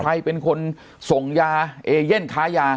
ใครเป็นคนส่งยาเอเย่นค้ายา